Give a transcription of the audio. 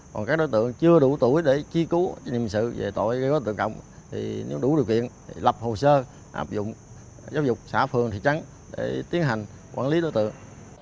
còn các đối tượng chưa đủ tuổi để chi cứu nghiêm sự về tội gây dối trật tự công cộng thì nếu đủ điều kiện thì lập hồ sơ hợp dụng giáo dục xã phường thị trấn để tiến hành quản lý đối tượng